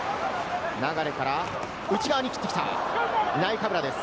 流から内側に切ってきた、ナイカブラです。